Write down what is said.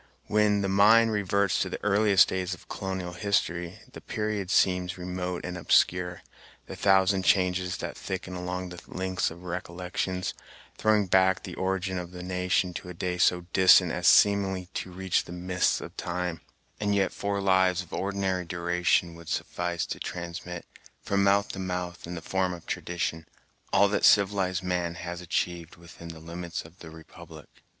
When the mind reverts to the earliest days of colonial history, the period seems remote and obscure, the thousand changes that thicken along the links of recollections, throwing back the origin of the nation to a day so distant as seemingly to reach the mists of time; and yet four lives of ordinary duration would suffice to transmit, from mouth to mouth, in the form of tradition, all that civilized man has achieved within the limits of the republic.